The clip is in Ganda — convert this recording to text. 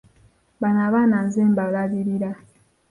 Bano abaana nze mbalabirira.